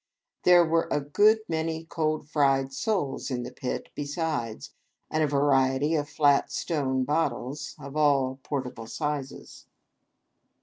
There were a good many cold fried soles in the pit, besides ; and a variety of flat stone bottles, of all portable sizes.